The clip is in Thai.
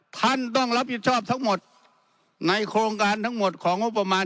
ท่านต้องรับผิดชอบทั้งหมดในโครงการทั้งหมดของงบประมาณ